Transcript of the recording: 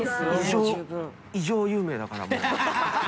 異常有名だから。